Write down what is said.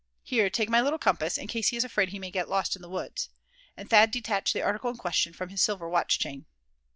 Here, take my little compass, in case he is afraid he may get lost in the woods," and Thad detached the article in question from his silver watch chain.